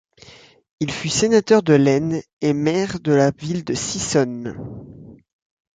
Il fut sénateur de l'Aisne et maire de la ville de Sissonne.